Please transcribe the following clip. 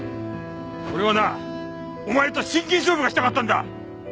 俺はなお前と真剣勝負がしたかったんだ！